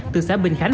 từ xã binh khánh